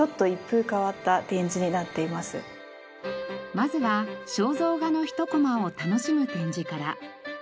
まずは「肖像画のひとコマ」を楽しむ展示から。